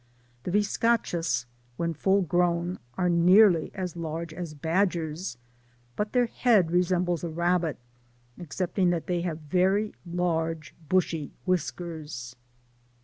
The biscachos, when full grown, are nearly as large as badgers ; but their head resembles a rabbit, excepting that they have very large bushy whiskers.